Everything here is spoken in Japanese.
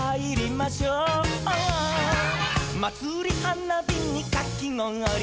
「まつりはなびにカキごおり」